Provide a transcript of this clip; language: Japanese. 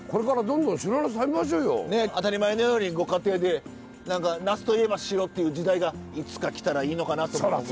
当たり前のようにご家庭で何かなすといえば白っていう時代がいつかきたらいいのかなと思います。